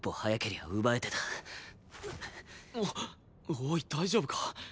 おい大丈夫か？